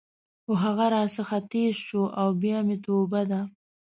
خو هغه راڅخه ټیز شو او بیا مې توبه ده.